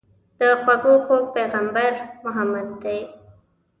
د خوږو خوږ پيغمبر محمد دي.